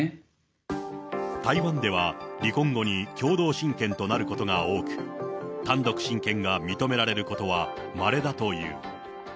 台湾では、離婚後に共同親権となることが多く、単独親権が認められることはまれだという。